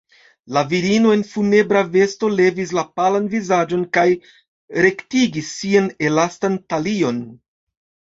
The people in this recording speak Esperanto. La virino en funebra vesto levis la palan vizaĝon kaj rektigis sian elastan talion.